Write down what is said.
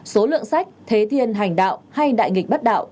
số lượng sách thế thiên hành đạo hay đại nghịch bất đạo